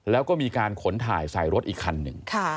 แล้วก็มีการขนถ่ายใส่รถอีกคันหนึ่ง